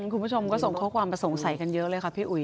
คุณผู้ชมก็ส่งข้อความประสงค์ใสกันเยอะเลยครับพี่อุ๋ย